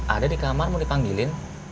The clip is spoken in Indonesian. ada di kamar mau dipanggilin